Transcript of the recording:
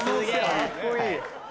かっこいい！